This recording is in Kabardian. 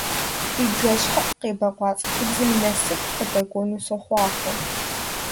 Фи бжэщхьэӀу къебэкъуа цӀыхубзым насып къыдэкӀуэну сохъуахъуэ!